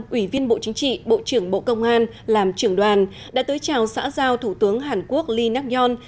ủy viên bộ chính trị bộ trưởng bộ công an làm trưởng đoàn đã tới chào xã giao thủ tướng hàn quốc lee nắc nhon